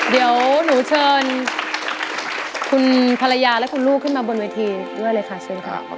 เดี๋ยวหนูเชิญคุณภรรยาและคุณลูกขึ้นมาบนเวทีด้วยเลยค่ะเชิญค่ะ